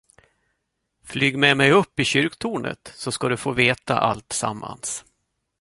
Flyg med mig upp i kyrktornet, så ska du få veta alltsammans!